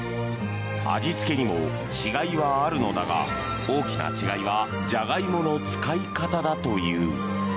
味付けにも違いはあるのだが大きな違いはジャガイモの使い方だという。